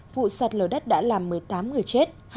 vụ sạt lở đất đã làm một mươi tám người chết